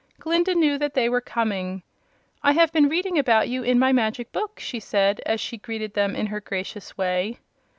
Glinda knew that they were coming. "I have been reading about you in my Magic Book," she said, as she greeted them in her gracious way.